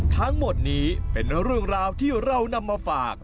ทั้งหมดนี้เป็นเรื่องราวที่เรานำมาฝาก